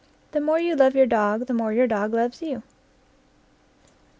The more you love your dog, the more your dog loves you.